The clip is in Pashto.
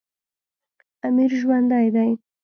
امیر ژوندی دی.